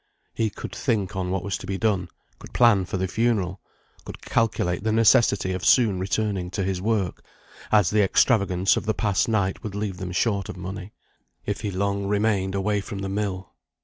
He could think on what was to be done, could plan for the funeral, could calculate the necessity of soon returning to his work, as the extravagance of the past night would leave them short of money, if he long remained away from the mill.